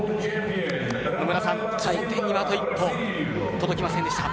野村さん、頂点にはあと一歩届きませんでした。